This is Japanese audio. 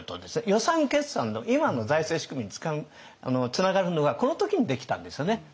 予算決算の今の財政仕組みにつながるのがこの時にできたんですよね。